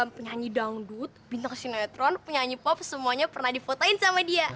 penyanyi dangdut bintang sinetron penyanyi pop semuanya pernah difotain sama dia